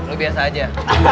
lo biasa aja